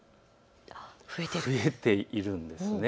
増えているんです。